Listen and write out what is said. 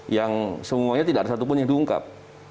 yang semuanya tidak ada satupun yang diungkap